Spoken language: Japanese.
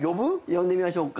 呼んでみましょうか。